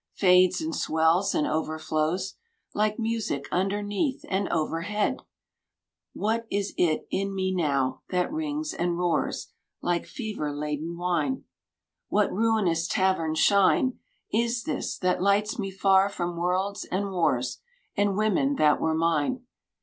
Fades and swells and overflows, Like music underneath and overhead ? What is it in me now that rings and roars Like fever laden wine? 1261 What ruinous tavern shine Is this that lights me far from worlds and wars And women that were mine?